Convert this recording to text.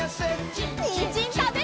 にんじんたべるよ！